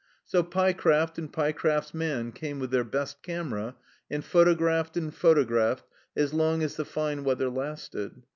So Pyecraft and Pyecraft's man came with their best camera, and photographed and photographed, as long as the fine weather lasted.